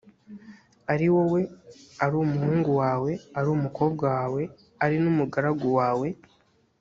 ari wowe, ari umuhungu wawe, ari umukobwa wawe, ari n’umugaragu wawe